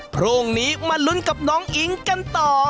พรุ่งนี้มาลุ้นกับน้องอิ๊งกันต่อ